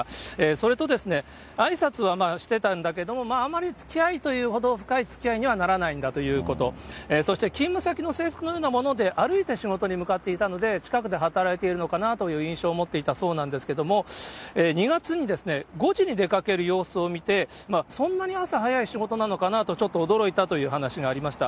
それとあいさつはしてたんだけれども、あまりつきあいというほど深いつきあいにはならないんだということ、そして勤務先の制服のようなもので歩いて仕事に向かっていたので、近くで働いているのかなという印象を持っていたそうなんですけれども、２月に、５時に出かける様子を見て、そんなに朝早い仕事なのかなとちょっと驚いたという話がありました。